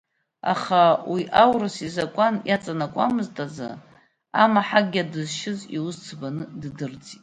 Аха уи аурыс изакәан иаҵанакуамызт азы, амаҳагьа дызшьыз иус ӡбаны ддырӡит.